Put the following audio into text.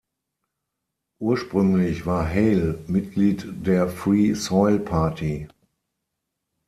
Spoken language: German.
Ursprünglich war Hale Mitglied der Free Soil Party.